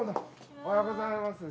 おはようございます。